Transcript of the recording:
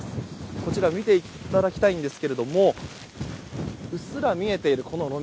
こちら見ていただきたいんですけれどもうっすら見えているこの路面